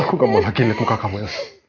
aku gak mau lagi lihat muka kamu elsa